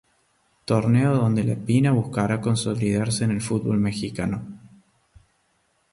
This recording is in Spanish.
Torneo donde 'La Pina' buscará consolidarse en el Fútbol Mexicano.